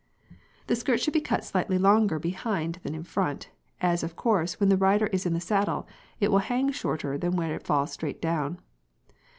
p> The skirt should be cut slightly longer behind than in front, as of course when the rider is in the saddle it will hang shorter than where it falls straight down.